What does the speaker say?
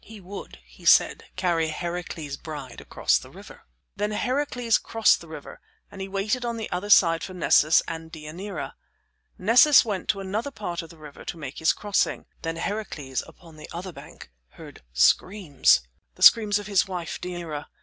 He would, he said, carry Heracles's bride across the river. Then Heracles crossed the river, and he waited on the other side for Nessus and Deianira. Nessus went to another part of the river to make his crossing. Then Heracles, upon the other bank, heard screams the screams of his wife, Deianira.